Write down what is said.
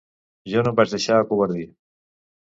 Jo no em vaig deixar acovardir.